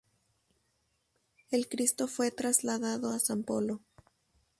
El Cristo fue trasladado a San Polo.